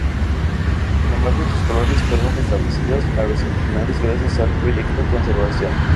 Sin embargo sus colores fueron restablecidos a los originales gracias al proyecto Conservación.